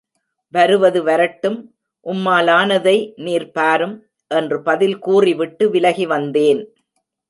வருவது வரட்டும், உம்மாலானதை, நீர் பாரும்! என்று பதில் கூறிவிட்டு விலகி வந்தேன்.